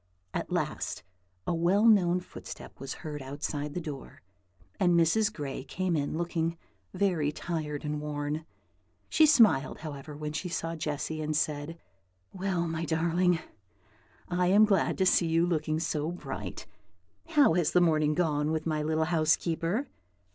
At last, a well known footstep was heard outside the door, and Mrs. Gray came in, looking very tired and worn. She smiled, however, when she saw Jessy, and said, "Well, my darling, I am glad to see you looking so bright. How has the morning gone with my little housekeeper?"